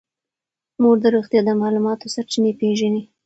مور د روغتیا د معلوماتو سرچینې پېژني.